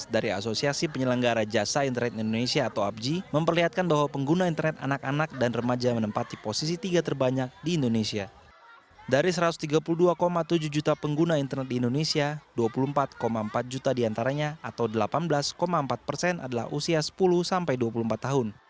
dari satu ratus tiga puluh dua tujuh juta pengguna internet di indonesia dua puluh empat empat juta diantaranya atau delapan belas empat persen adalah usia sepuluh tahun